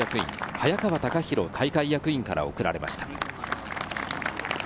早川卓宏大会役員から贈られました。